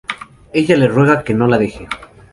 Ella le ruega que no la deje.